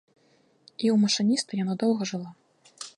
І ў машыніста яна доўга жыла.